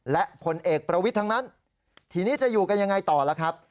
และผลเอกประวิทย์ทั้งนั้นทีนี้จะอยู่กันยังไงต่อล่ะครับ